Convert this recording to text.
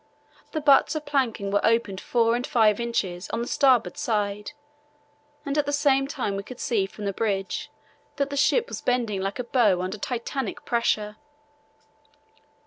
The butts of planking were opened four and five inches on the starboard side, and at the same time we could see from the bridge that the ship was bending like a bow under titanic pressure.